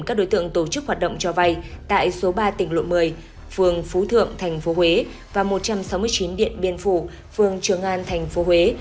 các đối tượng tổ chức hoạt động cho vay tại số ba tỉnh lộ một mươi phường phú thượng tp huế và một trăm sáu mươi chín điện biên phủ phường trường an tp huế